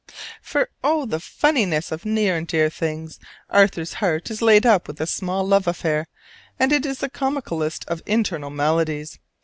For, oh, the funniness of near and dear things! Arthur's heart is laid up with a small love affair, and it is the comicalest of internal maladies.